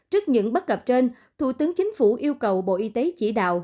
trước những bất cập trên thủ tướng chính phủ yêu cầu bộ y tế chỉ đạo